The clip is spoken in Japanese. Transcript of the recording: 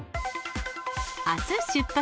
あす出発！